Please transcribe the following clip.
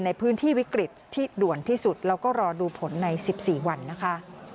ในพื้นที่วิกฤตที่ด่วนที่สุดแล้วก็รอดูผลใน๑๔วันนะคะ